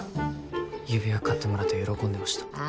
指輪買ってもらって喜んでましたああ